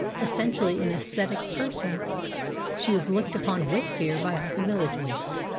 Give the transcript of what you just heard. Essentially an ascetic person, she was looked upon with fear by all the villagers.